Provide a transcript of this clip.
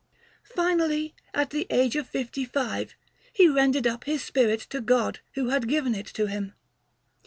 Finally, at the age of fifty five, he rendered up his spirit to God who had given it to him.